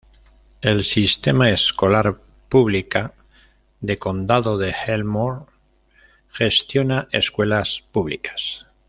El Sistema Escolar Pública de Condado de Elmore gestiona escuelas públicas.